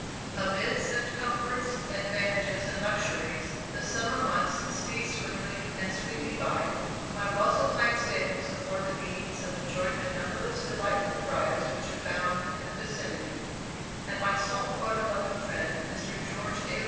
Amid such comforts, advantages, and luxuries the summer months speed swiftly and sweetly by. My well supplied stables afford the means of enjoying the numberless delightful drives which abound in the vicinity; and my salt water loving friend, Mr. George A.